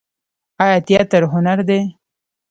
آیا تیاتر هنر دی؟